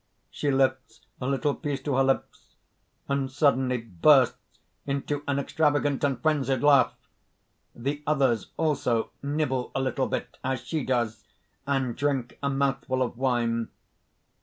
(She lifts a little piece to her lips, and suddenly bursts into an extravagant and frenzied laugh. _The others also nibble a little bit as she does and drink a mouthful of wine.